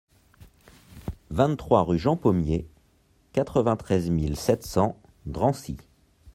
vingt-trois rue Jean Pomier, quatre-vingt-treize mille sept cents Drancy